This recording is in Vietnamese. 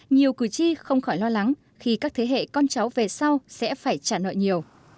nhiều cử tri không khỏi lo lắng khi các thế hệ con cháu về sau sẽ phải trả nợ nhiều